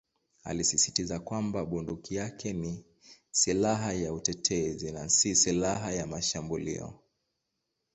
Alisisitiza kwamba bunduki yake ni "silaha ya utetezi" na "si silaha ya mashambulio".